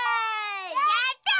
やった！